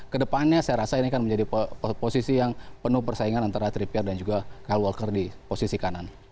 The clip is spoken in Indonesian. kedepannya saya rasa ini akan menjadi posisi yang penuh persaingan antara tripper dan juga call walker di posisi kanan